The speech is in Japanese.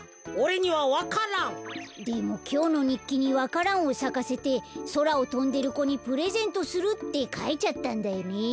でもきょうのにっきにわか蘭をさかせてそらをとんでる子にプレゼントするってかいちゃったんだよね。